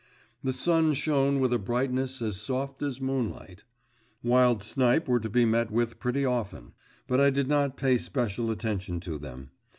The sun shone with a brightness as soft as moonlight. Wild snipe were to be met with pretty often; but I did not pay special attention to them.